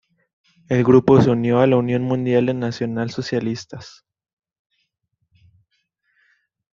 El grupo se unió a la Unión Mundial de Nacional Socialistas.